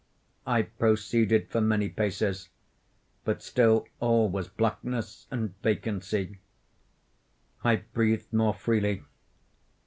I proceeded for many paces; but still all was blackness and vacancy. I breathed more freely.